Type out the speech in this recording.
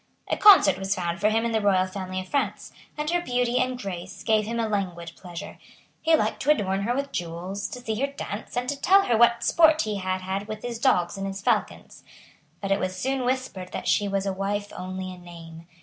A consort was found for him in the royal family of France; and her beauty and grace gave him a languid pleasure. He liked to adorn her with jewels, to see her dance, and to tell her what sport he had had with his dogs and his falcons. But it was soon whispered that she was a wife only in name.